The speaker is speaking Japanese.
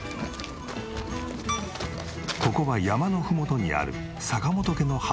ここは山のふもとにある坂本家の畑。